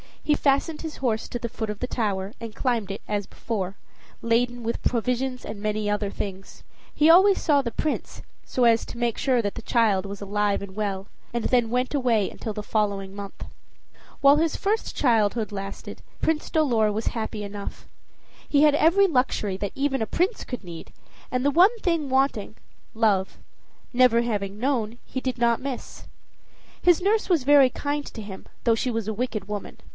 He fastened his horse to the foot of the tower, and climbed it, as before, laden with provisions and many other things. He always saw the Prince, so as to make sure that the child was alive and well, and then went away until the following month. While his first childhood lasted Prince Dolor was happy enough. He had every luxury that even a prince could need, and the one thing wanting, love, never having known, he did not miss. His nurse was very kind to him though she was a wicked woman.